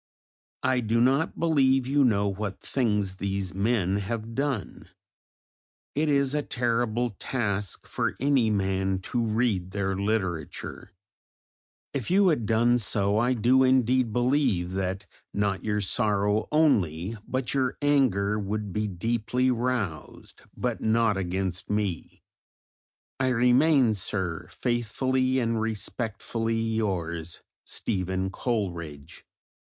I do not believe you know what things these men have done; it is a terrible task for any man to read their literature; if you had done so I do indeed believe that not your sorrow only but your anger would be deeply roused, but not against me. I remain, Sir, Faithfully and Respectfully yours, STEPHEN COLERIDGE.